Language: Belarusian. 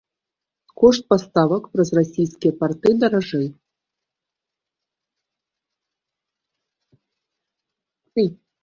Кошт паставак праз расійскія парты даражэй.